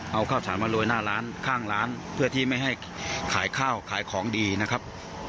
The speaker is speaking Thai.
เอาข้าวสารมาโรยหน้าร้านข้างร้านเพื่อที่ไม่ให้ขายข้าวขายของดีนะครับ